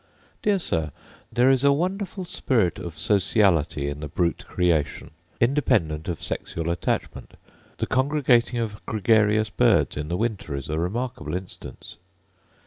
Dear Sir, There is a wonderful spirit of sociality in the brute creation, independent of sexual attachment: the congregating of gregarious birds in the winter is a remarkable instance.